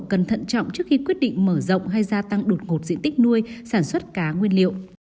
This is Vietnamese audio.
cần thận trọng trước khi quyết định mở rộng hay gia tăng đột ngột diện tích nuôi sản xuất cá nguyên liệu